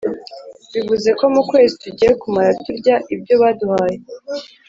bivuze ko mu kwezi tugiye kumara turya ibyo baduhaye,